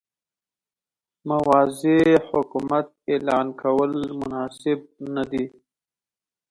موازي حکومت اعلان کول مناسب نه دي.